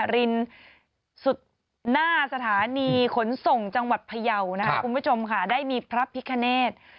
รินสุดหน้าสถานีขนส่งจังหวัดพยาวนะคะคุณผู้ชมค่ะได้มีพระพิคเนธ